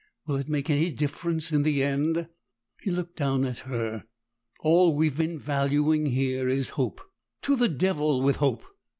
Will it make any difference in the end?" He looked down at her. "All we've been valuing here is hope. To the devil with hope!